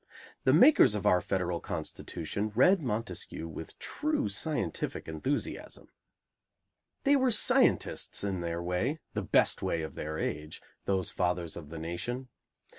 The makers of our Federal Constitution read Montesquieu with true scientific enthusiasm. They were scientists in their way, the best way of their age, those fathers of the nation.